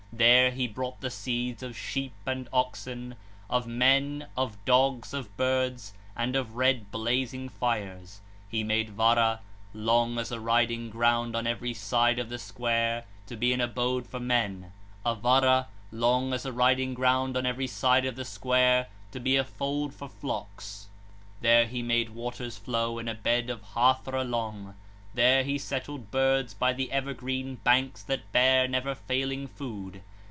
There he brought the seeds of sheep and oxen, of men, of p. 19 dogs, of birds, and of red blazing fires. He made Vara, long as a riding ground on every side of the square, to be an abode for men; a Vara, long as a riding ground on every side of the square, to be a fold for flocks. 34 (101). There he made waters flow in a bed a hâthra long; there he settled birds, by the evergreen banks that bear never failing food.